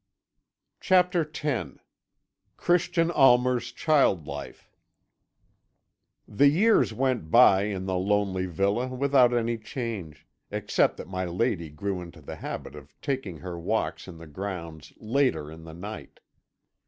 CHAPTER X CHRISTIAN ALMER'S CHILD LIFE "The years went by in the lonely villa without any change, except that my lady grew into the habit of taking her walks in the grounds later in the night.